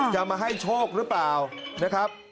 จะมาให้โชคหรือเปล่านะครับ